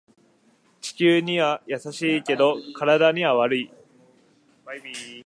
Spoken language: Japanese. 地球には優しいけど体には悪い